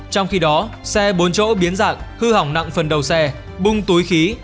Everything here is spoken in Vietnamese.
trong khi đó xe bốn chỗ biến dạng hư hỏng nặng phần đầu xe bung túi khí